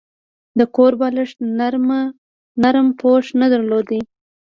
د کور بالښت نرمه پوښ نه درلوده.